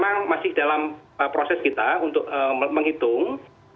memang masih dalam proses kita untuk menghitung